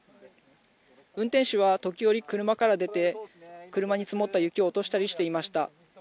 運転手は時折、車から出て車に積もった雪を落としたりしていました。